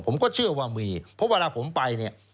ผมก็เชื่อว่ามีเพราะเวลาผมไปเนี่ย